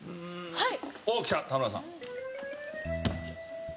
はい。